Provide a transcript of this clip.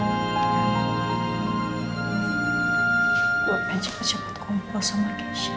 aku juga pengen cepet cepet kumpul sama keisha